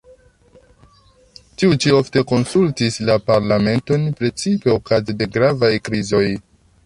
Tiu ĉi ofte konsultis la parlamenton, precipe okaze de gravaj krizoj.